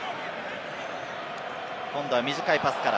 今度は短いパスから。